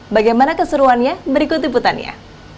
bagaimana keseruannya berikut diputannya